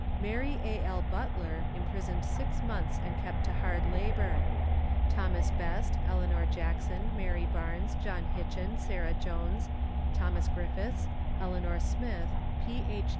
Mary A. L. Butler, imprisoned six months and kept to hard labour. Thomas Best, Eleanor Jackson, Mary Barnes, John Hitchen, Sarah Jones, Thomas Griffiths, Eleanor Smith, P. H.